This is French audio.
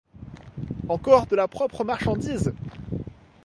Encore de la propre marchandise!